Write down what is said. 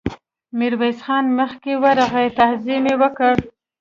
ميرويس خان مخکې ورغی، تعظيم يې وکړ.